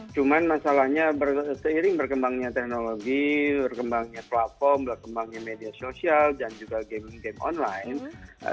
cuman masalahnya seiring berkembangnya teknologi berkembangnya platform berkembangnya media sosial dan juga game game online